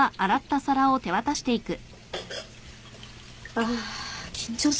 あ緊張する。